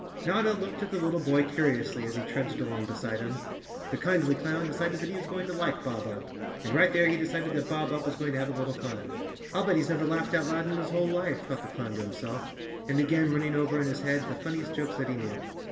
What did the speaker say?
Notta looked at the little boy curiously as he trudged along beside him. The kindly clown decided that he was going to like Bob Up, and right there he decided that Bob Up was going to have a little fun. "I'll bet he's never laughed out loud in his whole life," thought the clown to himself, and began running over in his head the funniest jokes that he knew.